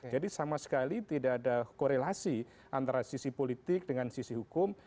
jadi sama sekali tidak ada korelasi antara sisi politik dengan sisi hukum